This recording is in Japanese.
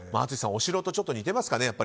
お城とちょっと似てますかね。